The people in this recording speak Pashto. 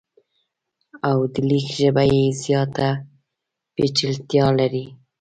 او د لیک ژبه یې زیاته پیچلتیا لري.